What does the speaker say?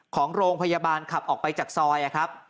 ของโรงพยาบาลขับออกไปจากซอยครับ